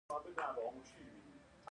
او په راتلونکي کې.